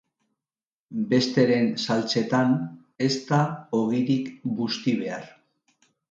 Besteren saltsetan ez da ogirik busti behar.